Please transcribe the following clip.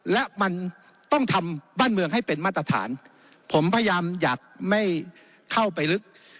และมันต้องทำบ้านเมืองให้เป็นมาตรฐานผมพยายามอยากไม่เข้าไปลึก